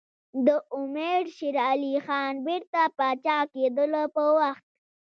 د امیر شېر علي خان بیرته پاچا کېدلو په وخت.